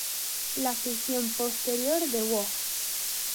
La ficción posterior de Waugh.